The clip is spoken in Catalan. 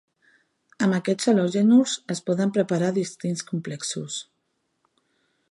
Amb aquests halogenurs es poden preparar distints complexos.